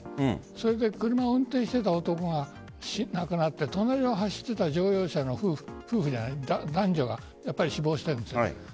それで車を運転していた男が亡くなって隣を走っていた乗用車の男女が死亡しているんです。